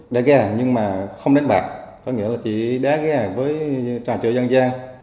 đá ghe nhưng mà không đánh bạc có nghĩa là chỉ đá ghe với trà trộn giang giang